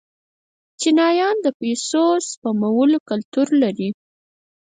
چینایان د پیسو سپمولو کلتور لري.